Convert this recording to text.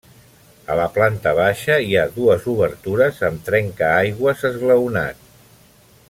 A la planta baixa hi ha dues obertures amb trencaaigües esglaonat.